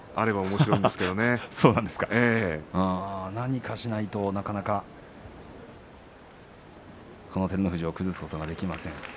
そうですか何かしないとなかなかこの照ノ富士を崩すことができません。